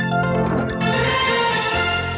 สวัสดีครับ